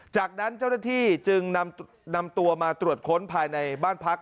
จากนั้นเจ้าหน้าที่จึงนำตัวมาตรวจค้นภายในบ้านพัก